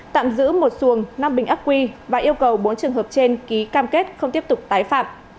tạm giữ một xuồng năm bình ác quy và yêu cầu bốn trường hợp trên ký cam kết không tiếp tục tái phạm